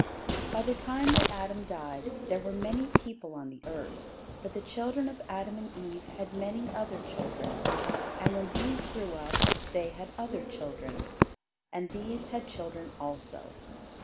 By the time that Adam died, there were many people on the earth; for the children of Adam and Eve had many other children; and when these grew up they had other children; and these had children also.